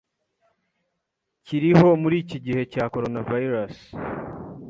kiriho muri iki gihe cya Coronavirus